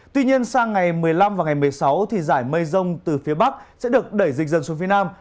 tuy nhiên sang ngày một mươi năm và ngày một mươi sáu giải mây rông từ phía bắc sẽ được đẩy dịch dần xuống phía nam